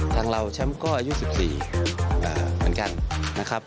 ทางเราแชมป์ก็อายุ๑๔ปีเหมือนกัน